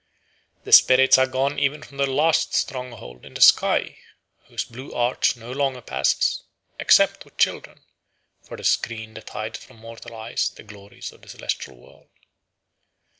The spirits are gone even from their last stronghold in the sky, whose blue arch no longer passes, except with children, for the screen that hides from mortal eyes the glories of the celestial world.